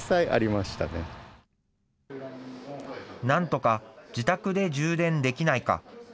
なんとか自宅で充電できないか。